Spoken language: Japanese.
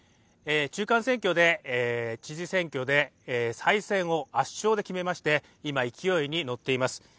中間選挙で、知事選挙で圧勝で再選を決め今、勢いに乗っています。